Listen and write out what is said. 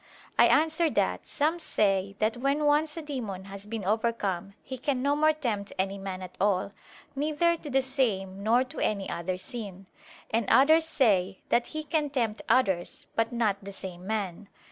I answer that, Some say that when once a demon has been overcome he can no more tempt any man at all, neither to the same nor to any other sin. And others say that he can tempt others, but not the same man.